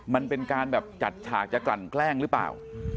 มันเป็นการแบบจัดฉากจะกลั่นแกล้งหรือเปล่า